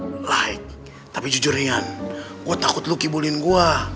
aku like tapi jujur ringan gue takut lu kibulin gue